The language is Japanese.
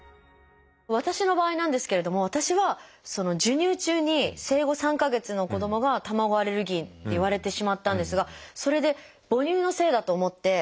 私の場合なんですけれども私は授乳中に生後３か月の子どもが卵アレルギーって言われてしまったんですがそれで母乳のせいだと思って。